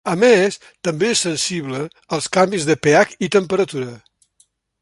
A més, també és sensible als canvis de pH i temperatura.